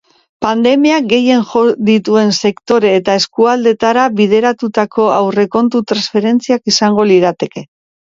Pandemiak gehien jo dituen sektore eta eskualdeetara bideratutako aurrekontu-transferentziak izango lirateke.